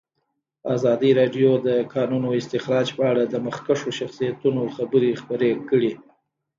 ازادي راډیو د د کانونو استخراج په اړه د مخکښو شخصیتونو خبرې خپرې کړي.